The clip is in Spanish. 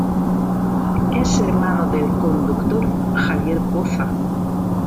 Es hermano del conductor Javier Poza.